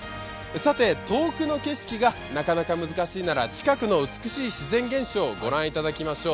さて、遠くの景色がなかなか難しいなら、近くの美しい自然現象を御覧いただきましょう。